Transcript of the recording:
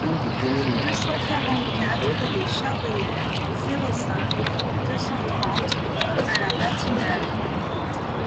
deux cent quarante-quatre rue de Chabrière, zéro cinq, deux cent trente à La Bâtie-Neuve